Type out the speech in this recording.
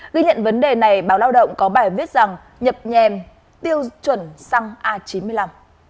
ghi nhận vấn đề này báo lao động có bài viết rằng nhập nhèm tiêu chuẩn xăng a chín mươi năm